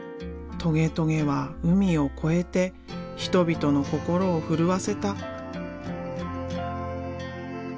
トゲトゲは海を越えて人々の心を震わせた。